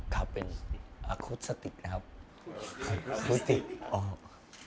ครับเป็นนะครับครูสติกอ๋อ